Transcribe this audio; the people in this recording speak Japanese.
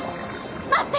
待って！